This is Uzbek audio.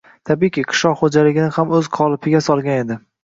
tabiiyki, qishloq xo‘jaligini ham o‘z qolipiga solgan edi